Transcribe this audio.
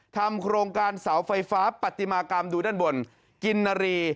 ทำโครงการเสาไฟฟ้าปฏิมากรรมดูด้านบนกินนารี